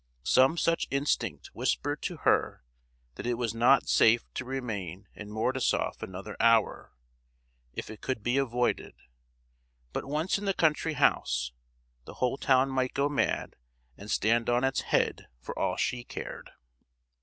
Some such instinct whispered to her that it was not safe to remain in Mordasoff another hour, if it could be avoided;—but once in the country house, the whole town might go mad and stand on its head, for all she cared!